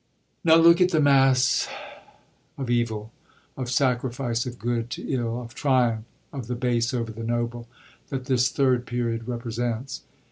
Now look at the mass of evil, of sacrifice of good to ill, of triumph of the hase over the nohle, that this Third Period represents.